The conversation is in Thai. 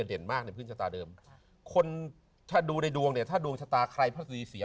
เด่นมากในพื้นชะตาเดิมคนถ้าดูในดวงเนี่ยถ้าดวงชะตาใครพระศรีเสีย